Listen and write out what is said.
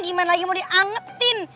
gimana lagi mau diangetin